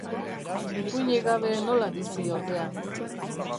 Ipuinik gabe nola bizi, ordea?